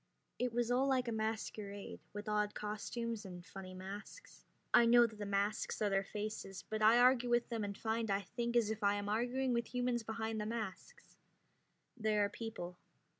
It was all like a masquerade, with odd costumes and funny masks. I know that the masks are their faces, but I argue with them and find I think as if I am arguing with humans behind the masks. They are people.